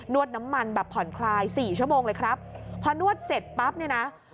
วดน้ำมันแบบผ่อนคลายสี่ชั่วโมงเลยครับพอนวดเสร็จปั๊บเนี่ยนะ